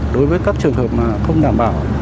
đối với các trường hợp mà không đảm bảo